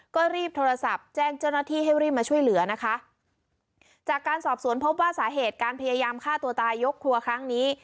ก็รีบโทรศัพท์แจ้งเจ้าหน้าที่ให้รีบมาช่วยเหลือนะคะจากการสอบสวนพบว่าสาเหตุการพยายามฆ่าตัวตายยกครัวครั้งนี้